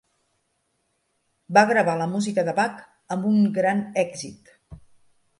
Va gravar la música de Bach amb un gran èxit.